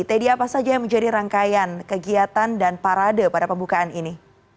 teddy apa saja yang menjadi rangkaian kegiatan dan parade pada pembukaan ini